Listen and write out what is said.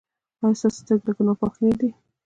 ایا ستاسو سترګې له ګناه پاکې نه دي؟